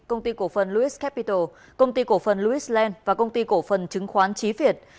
công ty cổ phần lewis capital công ty cổ phần lewis land và công ty cổ phần chứng khoán trí việt